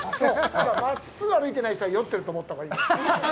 じゃあ、真っすぐ歩いてない人は酔ってると思ったほうがいい。